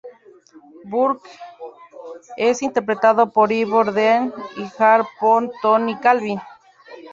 Burke es interpretado por Ivor Dean y Hare por Tony Calvin.